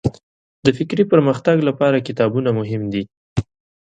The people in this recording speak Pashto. د فکري پرمختګ لپاره کتابونه مهم دي.